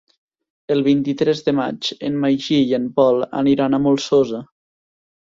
El vint-i-tres de maig en Magí i en Pol aniran a la Molsosa.